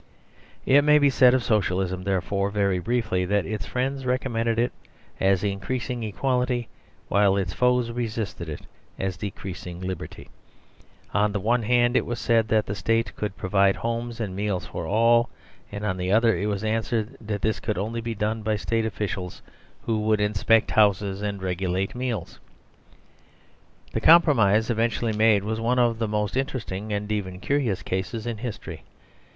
It may be said of Socialism, therefore, very briefly, that its friends recommended it as increasing equality, while its foes resisted it as decreasing liberty. On the one hand it was said that the State could provide homes and meals for all; on the other it was answered that this could only be done by State officials who would inspect houses and regulate meals. The compromise eventually made was one of the most interesting and even curious cases in history.